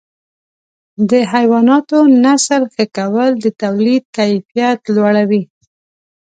د حیواناتو نسل ښه کول د تولید کیفیت لوړوي.